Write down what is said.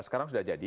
sekarang sudah jadi